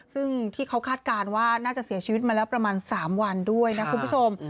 ซึ่งที่เขาคาดการณ์ว่าน่าจะเสียชีวิตมาแล้วประมาณ๓วันด้วยนะคุณผู้ชม